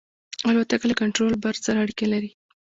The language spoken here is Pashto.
الوتکه له کنټرول برج سره اړیکه لري.